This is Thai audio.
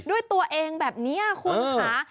ด้วยตัวเองแบบนี้คุณค่ะ